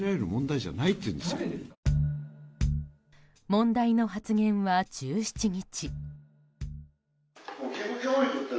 問題の発言は、１７日。